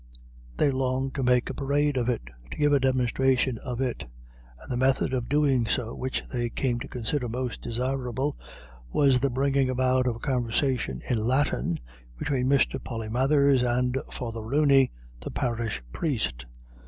They longed to make a parade of it, to give a demonstration of it. And the method of doing so which they came to consider most desirable was the bringing about of a conversation in Latin between Mr. Polymathers and Father Rooney, the Parish Priest.